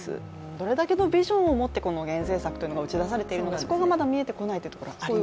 どれだけのビジョンを持ってこの減税策というのが打ち出されているのかそこがまだ見えてこないところがありますね。